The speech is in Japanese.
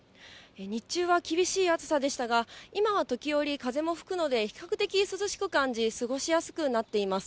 日中は厳しい暑さでしたが、今は時折、風も吹くので、比較的涼しく感じ、過ごしやすくなっています。